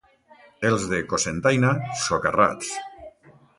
Els de Cocentaina, socarrats.